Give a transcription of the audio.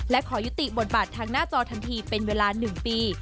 และขอยุติบทบาททางหน้าจอทันทีเป็นเวลา๑ปี